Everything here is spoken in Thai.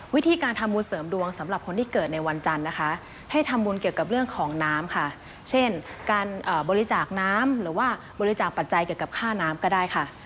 วิธีการทำบุญเสริมดวงสำหรับคนที่เกิดในวันจันทร์นะคะให้ทำบุญเกี่ยวกับเรื่องของน้ำค่ะเช่นการบริจาคน้ำหรือว่าบริจาคปัจจัยเกี่ยวกับค่าน้ำก็ได้ค่ะ